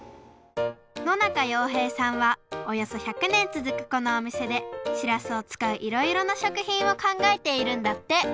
野仲洋平さんはおよそ１００ねんつづくこのおみせでしらすを使ういろいろなしょくひんをかんがえているんだって！